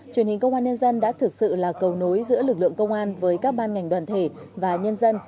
truyền hình công an nhân dân đã thực sự là cầu nối giữa lực lượng công an với các ban ngành đoàn thể và nhân dân